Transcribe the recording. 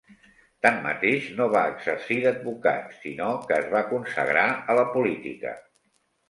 Tanmateix, no va exercir d'advocat, sinó que es va consagrar a la política.